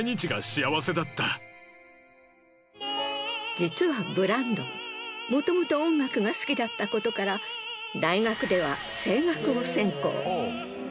実はブランドンもともと音楽が好きだったことから大学では声楽を専攻。